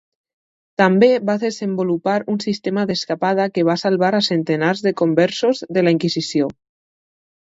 També va desenvolupar un sistema d'escapada que va salvar a centenars de Conversos de la Inquisició.